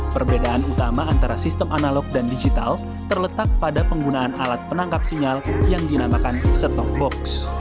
perbedaan utama antara sistem analog dan digital terletak pada penggunaan alat penangkap sinyal yang dinamakan set top box